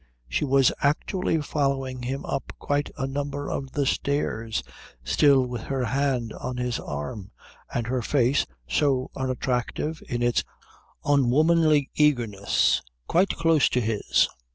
She was actually following him up quite a number of the stairs, still with her hand on his arm, and her face, so unattractive in its unwomanly eagerness, quite close to his.